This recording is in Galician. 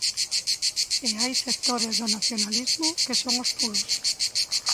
E hai sectores do nacionalismo que son os puros!